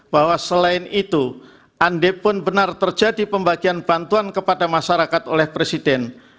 bahwa selain itu andai pun benar terjadi pembagian bantuan kepada masyarakat oleh presiden